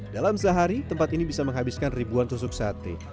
dalam sehari tempat ini bisa menghabiskan ribuan susuk sate